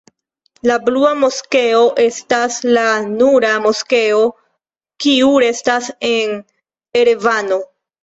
La Blua Moskeo estas la nura moskeo kiu restas en Erevano.